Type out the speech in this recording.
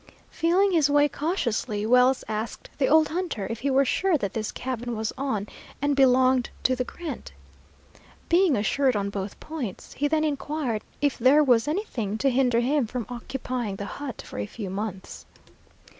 Feeling his way cautiously, Wells asked the old hunter if he were sure that this cabin was on and belonged to the grant. Being assured on both points, he then inquired if there was anything to hinder him from occupying the hut for a few months.